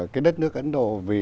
cái đất nước ấn độ vì